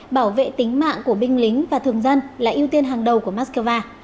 bảo vệ tính mạng của binh lính và thường dân là ưu tiên hàng đầu của moscow